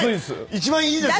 一番いいです。